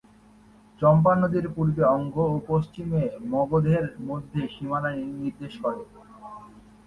চম্পা নদী পূর্বে অঙ্গ ও পশ্চিমে মগধের মধ্যে সীমানা নির্দেশ করে।